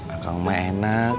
akang mah enak